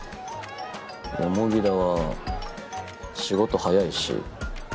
田は仕事早いし。